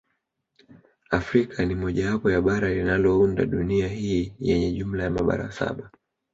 Afrika ni mojawapo ya bara linalounda dunia hii yenye jumla ya mabara saba